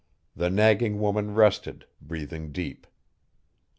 The nagging woman rested, breathing deep.